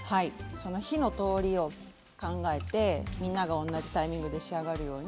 火の通りを考えてみんなが同じタイミングに仕上がるように。